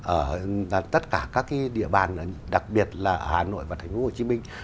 ở tất cả các địa bàn đặc biệt là ở hà nội và thành phố hồ chí minh